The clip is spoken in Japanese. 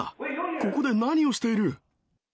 ここで何をしている？